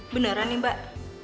beneran nih mbak